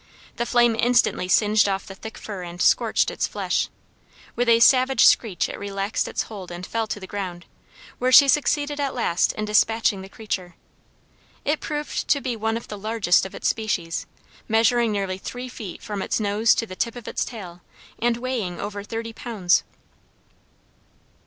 The flame instantly singed off the thick fur and scorched its flesh. With a savage screech, it relaxed its hold and fell to the ground, where she succeeded at last in dispatching the creature. It proved to be one of the largest of its species, measuring nearly three feet from its nose to the tip of its tail, and weighing over thirty pounds.